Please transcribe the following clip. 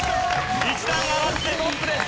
１段上がってトップです。